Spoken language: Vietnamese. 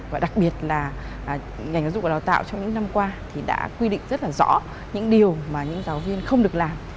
và đặc biệt là ngành giáo dục và đào tạo trong những năm qua thì đã quy định rất là rõ những điều mà những giáo viên không được làm